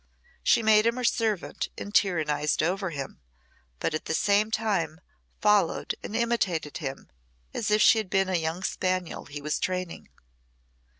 She made him her servant and tyrannised over him, but at the same time followed and imitated him as if she had been a young spaniel he was training.